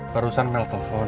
barusan mel telpon